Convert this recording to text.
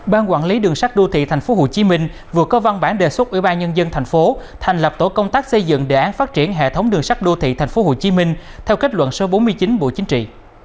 ban quản lý đường sắt đô thị tp hcm vừa có văn bản đề xuất ủy ban nhân dân tp thành lập tổ công tác xây dựng đề án phát triển hệ thống đường sắt đô thị tp hcm theo kết luận số bốn mươi chín bộ chính trị